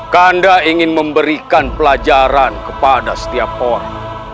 kanda ingin memberikan pelajaran kepada setiap orang